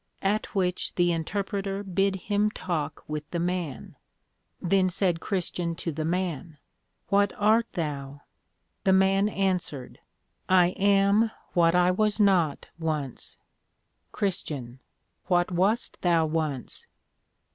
_ At which the Interpreter bid him talk with the Man. Then said Christian to the Man, What art thou? The Man answered, I am what I was not once. CHR. What wast thou once?